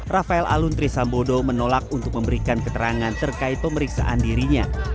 rafael alun trisambodo menolak untuk memberikan keterangan terkait pemeriksaan dirinya